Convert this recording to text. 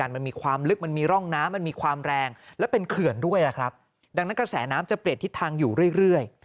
เปลี่ยนทิศทางอยู่เรื่อย